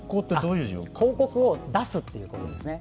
広告を出すということですね。